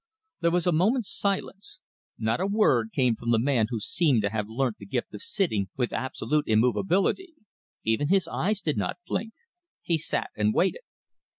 There was a moment's silence. Not a word came from the man who seemed to have learnt the gift of sitting with absolute immovability. Even his eyes did not blink. He sat and waited.